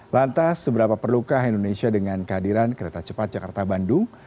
lantas seberapa perlukah indonesia dengan kehadiran kereta cepat jakarta bandung